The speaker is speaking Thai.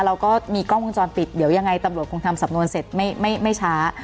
เราก็มีกล้องวงจรปิดเดี๋ยวยังไงตำรวจคงทำสำนวนเสร็จไม่ช้า